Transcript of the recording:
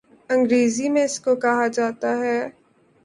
انگریزی میں اس کو کہا جاتا ہے